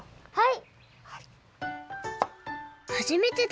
はい。